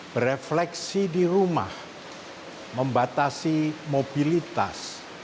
berefleksi di rumah membatasi mobilitas